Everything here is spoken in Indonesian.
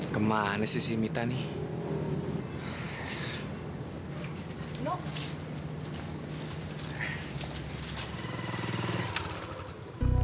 ke mana sih mita nih